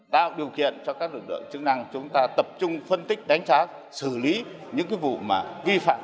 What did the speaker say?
tạo điều kiện cho các lực lượng chức năng chúng ta tập trung phân tích đánh giá xử lý những vụ vi phạm